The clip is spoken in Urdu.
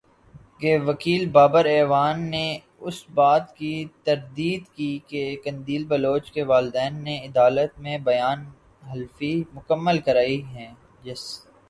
کے وکیل بابر اعوان نے اس بات کی تردید کی کہ قندیل بلوچ کے والدین نے عدالت میں بیان حلفی مکمل کرائے ہیں جس